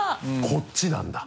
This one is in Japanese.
こっちなんだ。